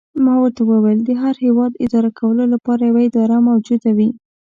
ما ورته وویل: د هر هیواد اداره کولو لپاره یوه اداره موجوده وي.